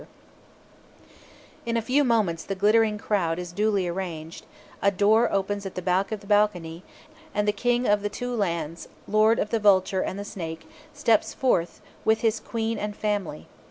In a few moments the glittering crowd is duly arranged, a door opens at the back of the balcony, and the King of the Two Lands, Lord of the Vulture and the Snake, steps forth with his Queen and family.